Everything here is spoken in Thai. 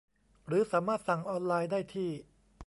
หรือสามารถสั่งออนไลน์ได้ที่